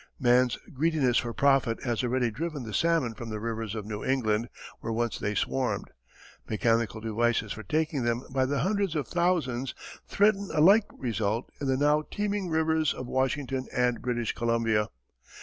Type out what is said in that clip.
Man's greediness for profit has already driven the salmon from the rivers of New England where once they swarmed. Mechanical devices for taking them by the hundreds of thousands threaten a like result in the now teeming rivers of Washington and British Columbia.